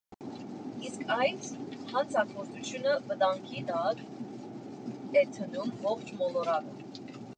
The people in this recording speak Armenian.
Իսկ այդ հանցագործությունը վտանգի տակ է դնում ողջ մոլորակը։